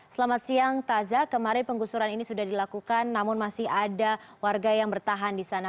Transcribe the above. selamat siang taza kemarin penggusuran ini sudah dilakukan namun masih ada warga yang bertahan di sana